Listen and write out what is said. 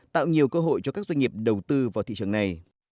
tạo nhiều cơ hội cho các doanh nghiệp đầu tư vào thị trường này